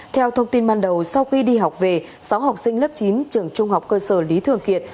theo thông tin ban đầu sau khi đi học về sáu học sinh lớp chín trường trung học cơ sở lý thường kiệt